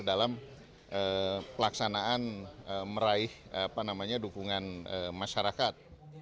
dalam pelaksanaan meraih dukungan masyarakat